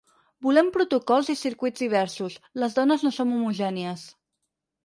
Volem protocols i circuits diversos, les dones no som homogènies.